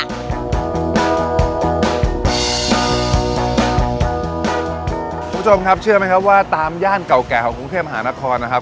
คุณผู้ชมครับเชื่อไหมครับว่าตามย่านเก่าแก่ของกรุงเทพมหานครนะครับ